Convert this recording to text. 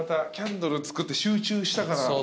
キャンドル作って集中したから。